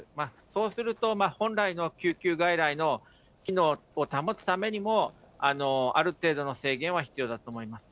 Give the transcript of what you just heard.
そうすると、本来の救急外来の機能を保つためにも、ある程度の制限は必要だと思います。